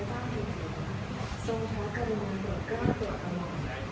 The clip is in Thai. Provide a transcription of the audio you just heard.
ความสุขและความกระทั่งความสุข